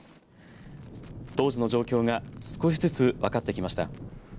当時の状況が少しずつ分かってきました。